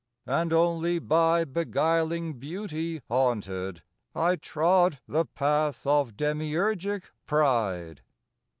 And only by beguiling Beauty haunted, I trod the path of demiurgic pride.